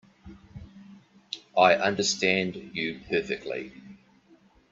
I understand you perfectly.